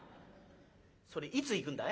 「それいつ行くんだい？」。